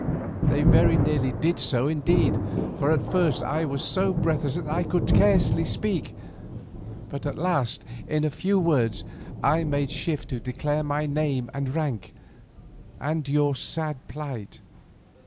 They very nearly did so indeed, for at first I was so breathless that I could scarcely speak, but at last in few words I made shift to declare my name and rank, and your sad plight.